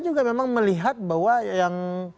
juga memang melihat bahwa yang